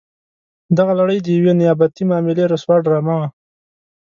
دغه لړۍ د یوې نیابتي معاملې رسوا ډرامه وه.